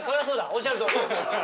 おっしゃるとおり。